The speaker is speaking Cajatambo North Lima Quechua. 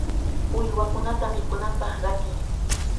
¡Uywakunata mikunanpaq qatiy!